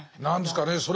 何ですかね